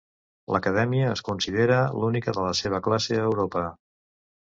L"acadèmia es considera l"única de la seva classe a Europa.